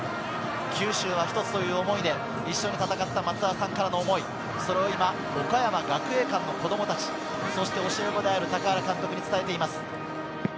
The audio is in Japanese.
九州は一つという思いで一緒に戦った松澤さんからの思い、それが岡山学芸館の子供たち、高原監督に伝えています。